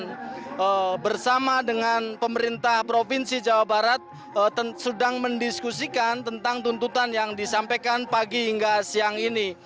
dan bersama dengan pemerintah provinsi jawa barat sedang mendiskusikan tentang tuntutan yang disampaikan pagi hingga siang ini